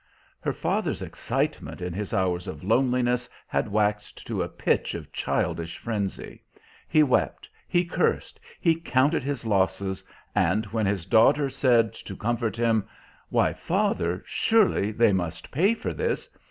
Her father's excitement in his hours of loneliness had waxed to a pitch of childish frenzy. He wept, he cursed, he counted his losses, and when his daughter said, to comfort him, "Why, father, surely they must pay for this!"